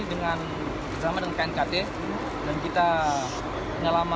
dengan penyelamatan knkt dan kita penyelaman